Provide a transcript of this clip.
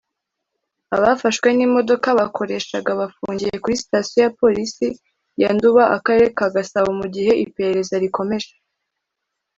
Abafashwe n’imodoka bakoreshaga bafungiye kuri Sitasiyo ya Polisi ya Nduba akarere ka Gasabo mu gihe iperereza rikomeje